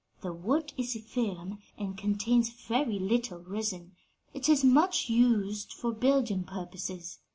The wood is firm and contains very little resin; it is much used for building purposes.